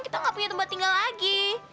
kita nggak punya tempat tinggal lagi